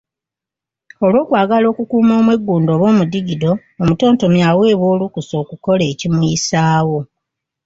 Olw’okwagala okukuuma omweggundo oba omudigido, omutontomi aweebwa olukusa okukola ekimuyisaawo.